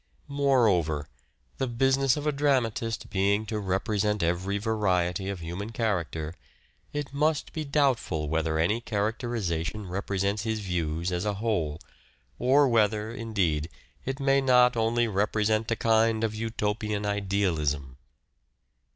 Moreover, the business of a dramatist being to represent every variety of human character, it must be doubtful whether any characterization represents his views as a whole, or whether, indeed, it may not only represent a kind of Utopian idealism.